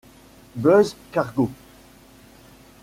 Buzz Cargo.